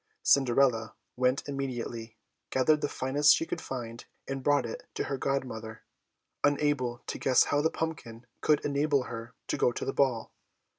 Cinderella went immediately, gathered the finest she could find, and brought it to her godmother, unable to guess how the pumpkin could enable her to go to the ball.